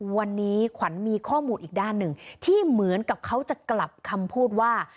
วันนี้ขวัญมีข้อมูลอีกด้านหนึ่งที่เหมือนกับเขาจะกลับคำพูดว่า